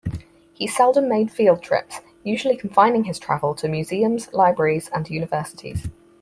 He seldom made field trips, usually confining his travel to museums, libraries and universities.